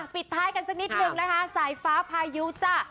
ปิดท้ายกันสักนิดนึงนะคะสายฟ้าพายุจ้ะ